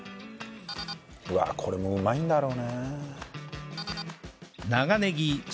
うわあこれもうまいんだろうねえ。